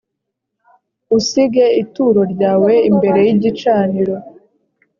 usige ituro ryawe imbere y igicaniro.